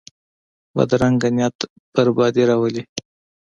بدرنګه نیت بربادي راولي